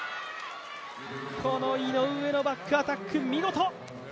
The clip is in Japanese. この井上のバックアタック見事！